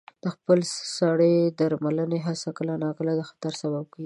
د خپل سرې درملنې هڅه کله ناکله د خطر سبب کېږي.